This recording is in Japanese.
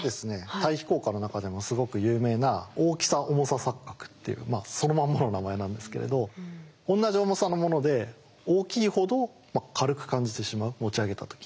対比効果の中でもすごく有名な「大きさ−重さ錯覚」っていうそのまんまの名前なんですけれど同じ重さのもので大きいほど軽く感じてしまう持ち上げた時に。